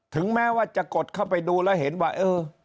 ถึงแม้ว่าจะกดเข้าไปดูแล้วเห็นว่าเออ